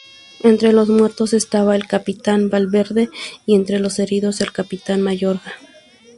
Entre los muertos estaba el capitán Valverde y entre los heridos el capitán Mayorga.